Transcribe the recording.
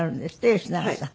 吉永さん。